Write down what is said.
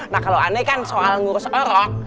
nah kalau aneh kan soal ngurus orang